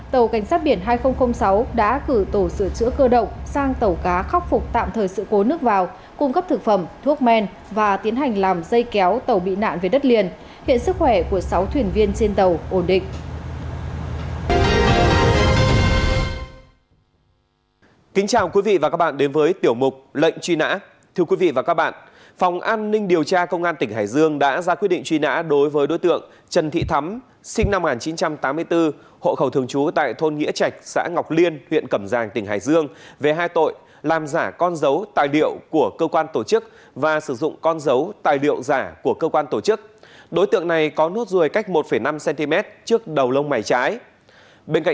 tàu cảnh sát biển hai nghìn sáu đã cử tổ sửa chữa cơ động sang tàu cá khắc phục tạm thời sự cố nước vào cung cấp thực phẩm thuốc men và tiến hành làm dây kéo tàu bị nạn về đất liền